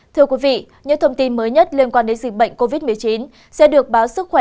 thưa quý vị những thông tin mới nhất liên quan đến dịch bệnh covid một mươi chín sẽ được báo sức khỏe